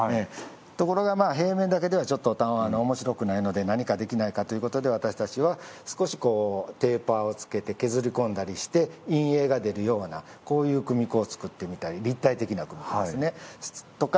ところが平面だけではちょっと、おもしろくないので何かできないかっていうことで私たちは少し、テーパーをつけて削り込んだりして陰影が出るようなこういう組子を作ってみたり立体的な組子ですね。